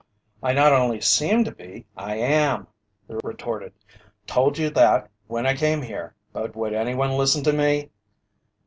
"I not only seem to be, I am," the reporter retorted. "Told you that when I came here! But would anyone listen to me?"